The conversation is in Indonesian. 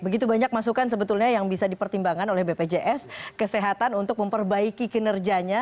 begitu banyak masukan sebetulnya yang bisa dipertimbangkan oleh bpjs kesehatan untuk memperbaiki kinerjanya